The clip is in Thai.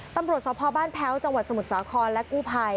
ตำรวจสพบ้านแพ้วจังหวัดสมุทรสาครและกู้ภัย